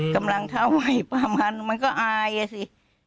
กำลังเท่าไหวประมาณมันก็อายอ่ะสิ